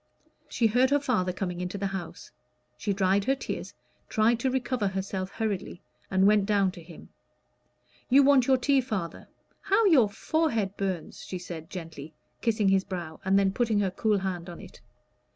She heard her father coming into the house. She dried her tears, tried to recover herself hurriedly, and went down to him. "You want your tea, father; how your forehead burns!" she said gently, kissing his brow, and then putting her cool hand on it.